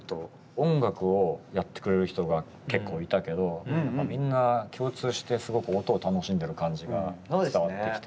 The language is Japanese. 音楽をやってくれる人が結構いたけどみんな共通してすごく音を楽しんでる感じが伝わってきて。